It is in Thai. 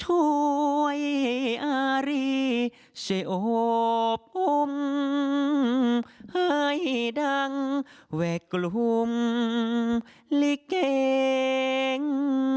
ช่วยให้อาริเชอบอมให้ดังแวกลุ่มลิเกง